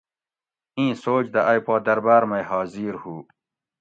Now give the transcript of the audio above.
ایں سوچ دہ ائی پا درباۤر مئی حاضر ہُو